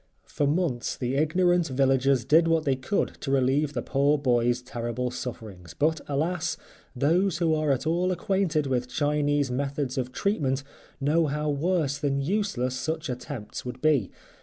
For months the ignorant villagers did what they could to relieve the poor boy's terrible sufferings; but, alas, those who are at all acquainted with Chinese methods of treatment know how worse than useless such attempts would be.